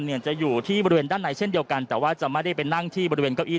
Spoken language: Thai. เนี่ยจะอยู่ที่บริเวณด้านในเช่นเดียวกันแต่ว่าจะไม่ได้ไปนั่งที่บริเวณเก้าอี้